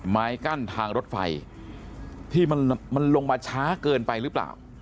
ไม้กั้นทางรถไฟที่มันลงมาช้าเกินไปหรือเปล่า